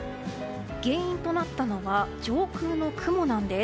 原因となったのは上空の雲なんです。